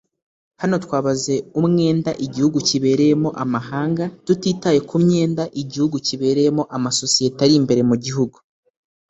Hano twabaze umwenda igihugu kibereyemo amahanga tutitaye ku myenda igihugu kibereyemo amasosiyete ari imbere mu gihugu